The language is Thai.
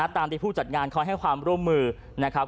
ตามที่ผู้จัดงานเขาให้ความร่วมมือนะครับ